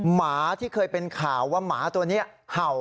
หมาที่เคยเป็นข่าวว่าหมาตัวนี้เห่า